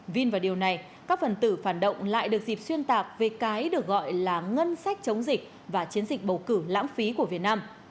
tin vào điều này các phần tử phản động lại được dịp xuyên tạc về cái được gọi là ngân sách chống dịch và chiến dịch bầu cử lãng phí của việt nam